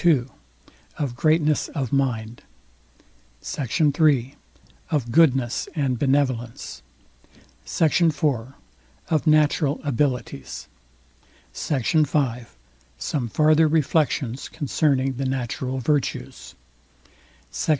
II OF GREATNESS OF MIND SECT. III OF GOODNESS AND BENEVOLENCE SECT. IV OF NATURAL ABILITIES SECT. V SOME FARTHER REFLECTIONS CONCERNING THE NATURAL VIRTUES SECT.